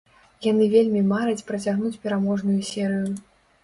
Яны вельмі мараць працягнуць пераможную серыю.